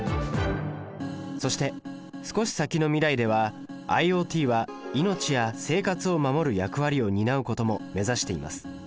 そして少し先の未来ではＩｏＴは命や生活を守る役割を担うことも目指しています